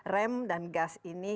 rem dan gas ini